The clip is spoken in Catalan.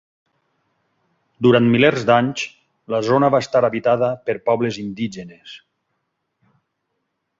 Durant milers d'anys, la zona va estar habitada per pobles indígenes.